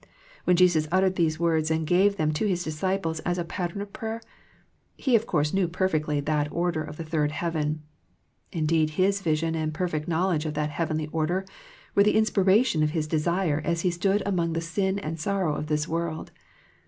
When Jesus uttered these words and gave them to His disciples as a pattern of prayer, He of course knew perfectly that order of the third heaven. Indeed His vision and perfect knowledge of that heavenly order were the inspiration of His desire as He stood among the sin and sorrow of this world.